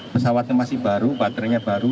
pesawatnya masih baru baterainya baru